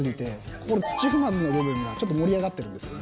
ここの土踏まずの部分がちょっと盛り上がってるんです。